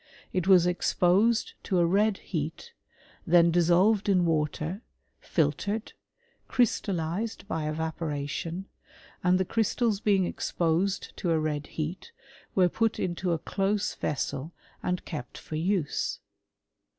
It was exposed to a red heat, ^en dissolved in water, filtered, crystallized by evapo ^tion, and the crystals being exposed to a red heat, ^ere put into a close vessel, and kept for use.